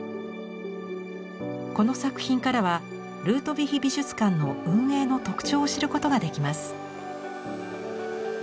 この作品からはルートヴィヒ美術館の運営の特徴を知ることができます。